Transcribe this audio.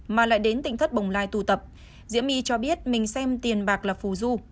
mà lại đến tỉnh thất bồng lai tụ tập diễm my cho biết mình xem tiền bạc là phù du